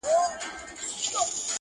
سترگي له سترگو بېرېږي.